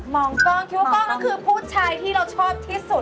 กล้องคิดว่ากล้องนั้นคือผู้ชายที่เราชอบที่สุด